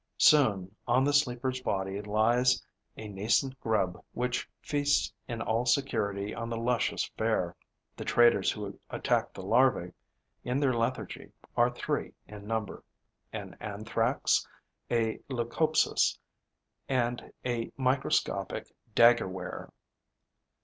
Soon on the sleeper's body lies a nascent grub which feasts in all security on the luscious fare. The traitors who attack the larvae in their lethargy are three in number: an Anthrax, a Leucopsis and a microscopic dagger wearer.